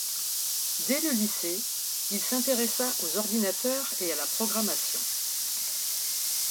Dès le lycée il s'intéressa aux ordinateurs et à la programmation.